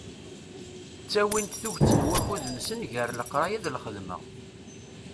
Ttawin-d tuget n wakud-nsen gar leqraya d lxedma.